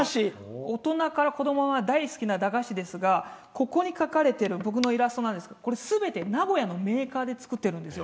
大人から子どもまで大好きな駄菓子ですがここに描かれている僕のイラストすべて名古屋の銘菓で作ってるんですよ。